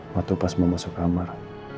waktu pas mau masuk kamar